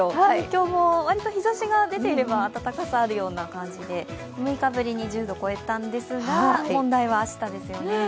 東京も割と日ざしが出ていれば暖かさ、あるような感じで６日ぶりに１０度超えたんですが、問題は明日ですよね。